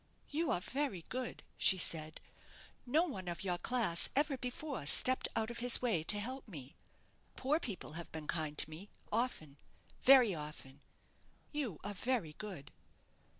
"You are very good," she said; "no one of your class ever before stepped out of his way to help me. Poor people have been kind to me often very often. You are very good."